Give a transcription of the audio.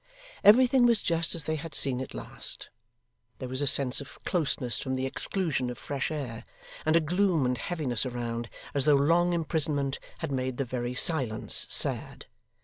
Everything was just as they had seen it last. There was a sense of closeness from the exclusion of fresh air, and a gloom and heaviness around, as though long imprisonment had made the very silence sad.